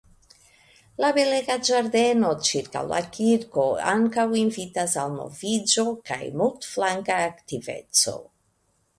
La belega ĝardeno ĉirkaŭ la kirko ankaŭ invitas al moviĝo kaj multflanka aktiveco.